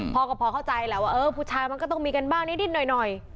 พ่อก็พอเข้าใจแหละว่าเออผู้ชายมันก็ต้องมีกันบ้างนิดหน่อย